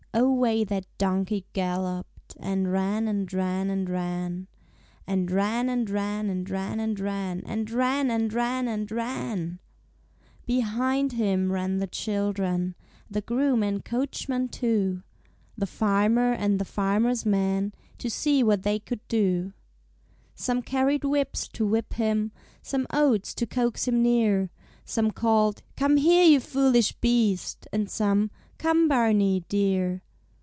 Away that donkey galloped And ran and ran and ran And ran and ran and ran and ran And RAN and RAN and =RAN=! Behind him ran the children, The groom and coachman, too; The farmer and the farmer's man, To see what they could do. Some carried whips to whip him; Some, oats to coax him near; Some called, "Come here, you foolish beast!" And some, "Come, Barney, dear."